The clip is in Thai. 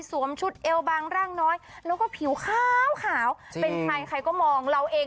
ชุดเอวบางร่างน้อยแล้วก็ผิวขาวขาวเป็นใครใครก็มองเราเอง